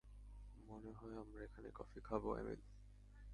মনে হয় আমরা এখানেই কফি খাব, এমিল।